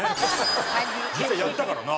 実際やったからな。